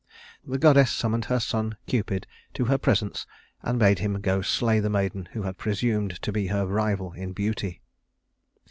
The goddess summoned her son Cupid to her presence and bade him go slay the maiden who had presumed to be her rival in beauty.